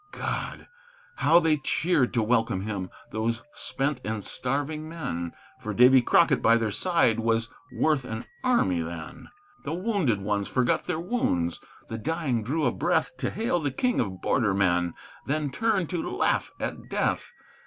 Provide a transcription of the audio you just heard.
God! how they cheered to welcome him, those spent and starving men! For Davy Crockett by their side was worth an army then. The wounded ones forgot their wounds; the dying drew a breath To hail the king of border men, then turned to laugh at death.